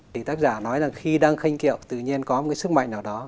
thì tác giả nói là khi đang khanh kiệu tự nhiên có một cái sức mạnh nào đó